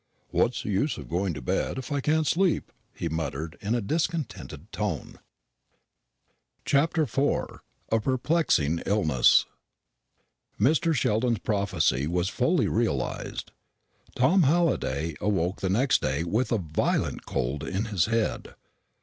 "What's the use of going to bed, if I can't sleep?" he muttered, in a discontented tone. CHAPTER IV. A PERPLEXING ILLNESS. Mr. Sheldon's prophecy was fully realised. Tom Halliday awoke the next day with a violent cold in his head.